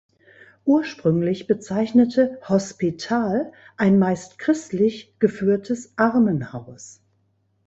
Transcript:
Ursprünglich bezeichnete "Hospital" ein meist christlich geführtes Armenhaus.